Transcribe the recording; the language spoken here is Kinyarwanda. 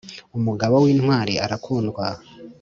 umugabo wi ntwari arakundwa